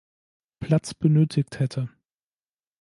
Platz benötigt hätte.